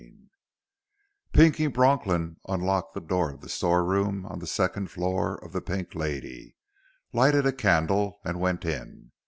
XIV Pinky Bronklin unlocked the door of the storeroom on the second floor of the Pink Lady, lighted a candle, and went in.